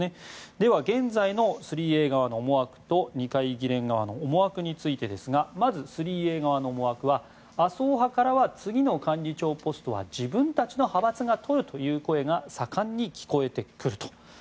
では、現在の３Ａ側の思惑と二階議連側の思惑についてですがまず３Ａ側の思惑は麻生派からは次の幹事長ポストは自分たちの派閥が取るという声が盛んに聞こえてくると。